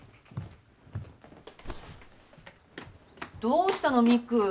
どうしたの未来。